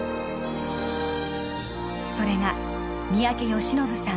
それが三宅義信さん